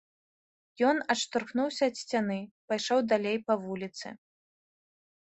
Ён адштурхнуўся ад сцяны, пайшоў далей па вуліцы.